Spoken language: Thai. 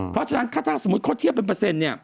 เพราะฉะนั้นถ้าเขาเทียบเป็นเปอร์เซ็นต์